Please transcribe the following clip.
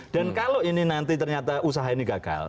dan kalau ini nanti ternyata usaha ini gagal